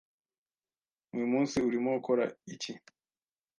Uyu munsi urimo ukora iki?